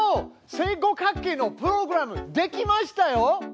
正五角形のプログラムできましたよ！